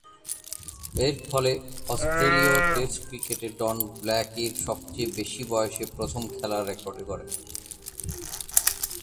এরফলে অস্ট্রেলীয় টেস্ট ক্রিকেটে ডন ব্ল্যাকি’র সবচেয়ে বেশি বয়সে প্রথম খেলার রেকর্ডে গড়েন।